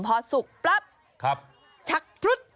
พอสุกประปชักพรุดออกมา